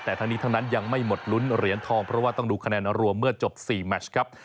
แต่ทั้งนี้ทั้งนั้นยังไม่หมดลุ้นเหรียญทองเพราะว่าต้องดูคะแนนรวมเมื่อจบ๔แมชครับ